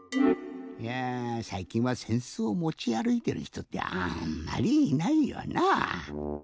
いやさいきんはせんすをもちあるいてるひとってあんまりいないよなぁ。